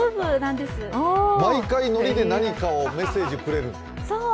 毎回、のりで何かをメッセージくれる。